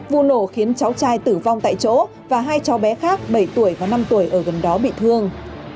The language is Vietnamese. vụ nổ khiến cháu trai tử vong tại chỗ và hai cháu bé khác bảy tuổi và năm tuổi ở gần đó bị thương